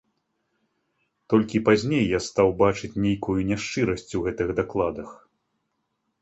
Толькі пазней я стаў бачыць нейкую няшчырасць у гэтых дакладах.